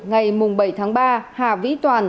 ngày bảy tháng ba hà vĩ toàn